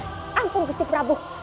ampun gusti prabu